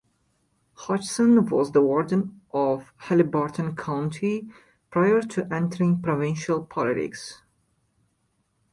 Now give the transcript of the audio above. Hodgson was the warden of Haliburton County prior to entering provincial politics.